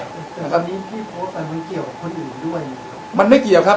แต่ตอนนี้ที่โพสต์ไปมันเกี่ยวกับคนอื่นด้วยมันไม่เกี่ยวครับ